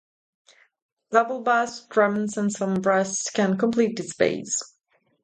Double bass, drums and some brass can complete this base.